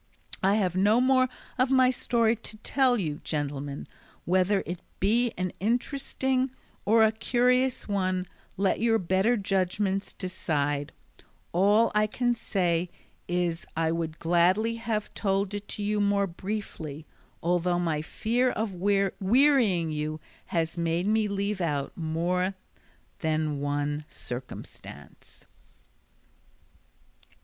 I have no more of my story to tell you, gentlemen; whether it be an interesting or a curious one let your better judgments decide; all I can say is I would gladly have told it to you more briefly; although my fear of wearying you has made me leave out more than one circumstance.